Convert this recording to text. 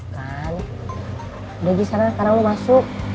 kan udah bisa karena ulu masuk